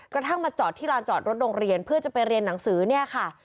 กระทั่งมาจอดที่ลานจอดรถโรงเรียนเพื่อจะไปเรียนหนังสือเนี่ยค่ะ